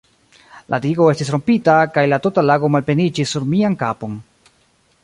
La digo estis rompita, kaj la tuta lago malpleniĝis sur mian kapon.